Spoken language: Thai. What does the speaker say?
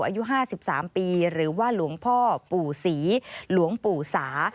อายุ๕๓ปีหรือว่าหลวงพ่อปู่ศรีหลวงปู่สา